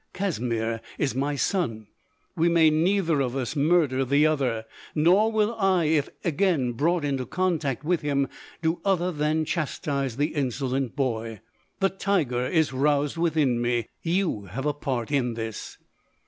Casimir is my son. We may neither of us murder the other ; nor will I, if again brought into contact with him, do other than chastise the insolent boy. The tiger is roused within me. You have a part in this.""